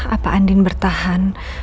apa andi bertahan